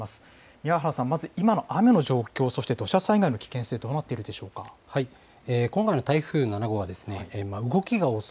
宮原さん、まず今の雨の状況、そして土砂災害の危険性、どうなっ今回の台風７号は、動きが遅